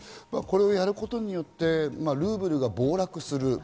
これをやることによってルーブルが暴落する。